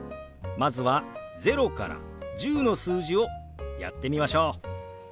まずは０から１０の数字をやってみましょう。